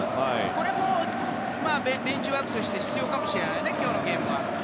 これもベンチワークとして必要かもね、今日のゲームは。